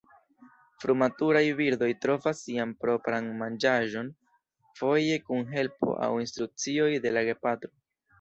Frumaturaj birdoj trovas sian propran manĝaĵon, foje kun helpo aŭ instrukcioj de la gepatroj.